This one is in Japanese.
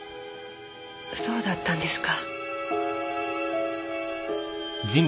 そうだったんですか。